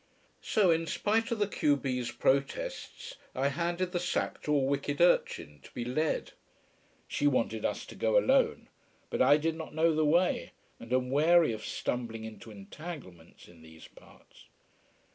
So, in spite of the q b's protests, I handed the sack to a wicked urchin, to be led. She wanted us to go alone but I did not know the way, and am wary of stumbling into entanglements in these parts.